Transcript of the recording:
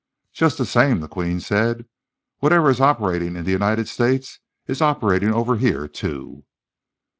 "Just the same," the Queen said. "Whatever is operating in the United States is operating over here, too."